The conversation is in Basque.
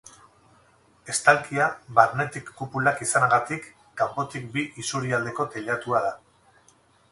Estalkia, barnetik kupulak izanagatik, kanpotik bi isurialdeko teilatua da.